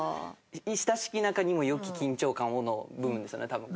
「親しき仲にもよき緊張感を」の部分ですよね多分。